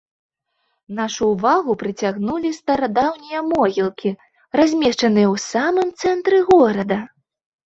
Нашу ўвагу прыцягнулі старадаўнія могілкі, размешчаныя ў самым цэнтры горада.